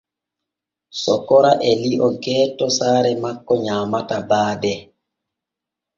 Sokora e lio gooto saare makko nyaamata baade.